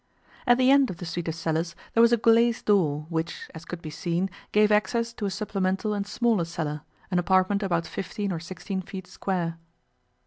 At the end of the suite of cellars there was a glazed door, which, as could be seen, gave access to a supplemental and smaller cellar, an apartment about fifteen or sixteen feet square.